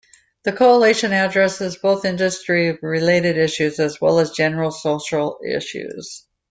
The coalition addresses both industry related issues, as well as general social issues.